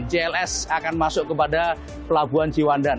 jls akan masuk kepada pelabuhan ciwandan